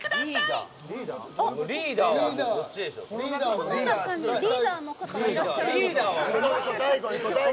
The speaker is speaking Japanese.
この中にリーダーの方いらっしゃいますか？